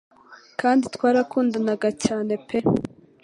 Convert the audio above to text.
kandi twarakundanaga cyane pe